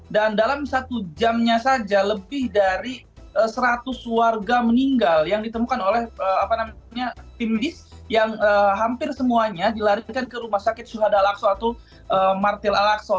dan dalam satu jamnya saja lebih dari seratus warga meninggal yang ditemukan oleh tim bis yang hampir semuanya dilarikan ke rumah sakit suhada al aqsa atau martil al aqsa